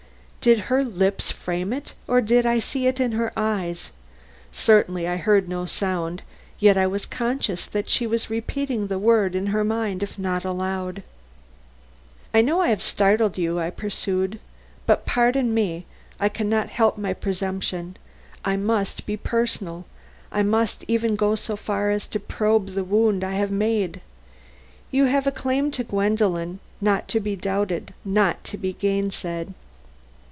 Did her lips frame it, or did I see it in her eyes? Certainly I heard no sound, yet I was conscious that she repeated the word in her mind, if not aloud. "I know I have startled you," I pursued. "But, pardon me I can not help my presumption I must be personal I must even go so far as to probe the wound I have made. You have a claim to Gwendolen not to be doubted, not to be gainsaid.